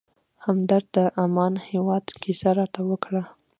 همدرد د عمان هېواد کیسه راته وکړه.